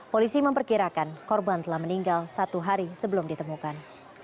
polisi memperkirakan korban telah meninggal satu hari sebelum ditemukan